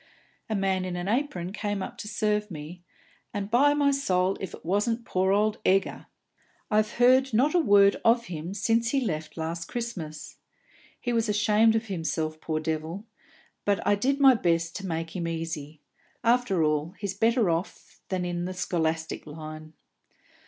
A man in an apron came up to serve me, and, by me soul, if it wasn't poor old Egger! I've heard not a word of him since he left last Christmas. He was ashamed of himself, poor devil; but I did my best to make him easy. After all, he's better off than in the scholastic line."